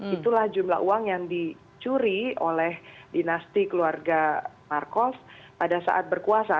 itulah jumlah uang yang dicuri oleh dinasti keluarga marcos pada saat berkuasa